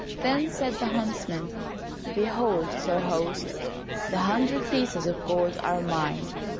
Then said the huntsman, "Behold, sir host, the hundred pieces of gold are mine."